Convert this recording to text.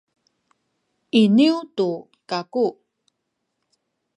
iniyu tu kaku